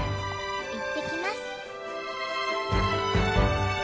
いってきます。